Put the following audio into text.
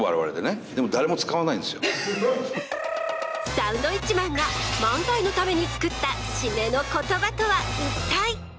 サンドウィッチマンが漫才のために作った締めの言葉とは一体。